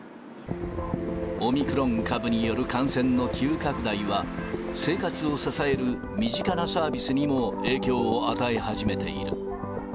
オミクロン株による感染の急拡大は、生活を支える身近なサービスにも影響を与え始めている。